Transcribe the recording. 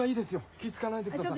気つかわないでください。